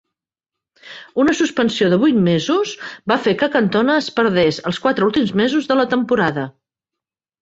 Una suspensió de vuit mesos va fer que Cantona es perdés els quatre últims mesos de la temporada.